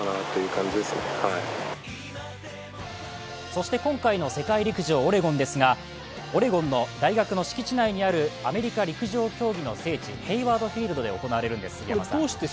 そして今回の世界陸上オレゴンですが、オレゴンの大学の敷地内にあるアメリカ陸上競技の聖地、ヘイワード・フィールドで行われるんです。